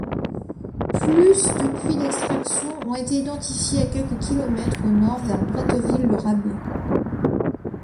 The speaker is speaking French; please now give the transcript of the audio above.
Plus de puits d’extraction ont été identifiés à quelques kilomètres au nord vers Bretteville-le-Rabet.